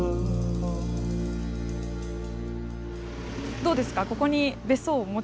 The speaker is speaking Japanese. どうですか？